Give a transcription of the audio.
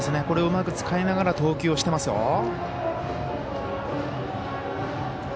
これをうまく使いながら投球をしてますよ。